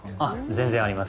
全然あります。